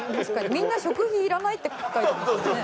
みんな食費いらないって書いてますね。